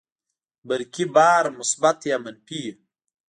برقي بار مثبت یا منفي وي.